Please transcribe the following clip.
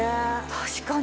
確かに。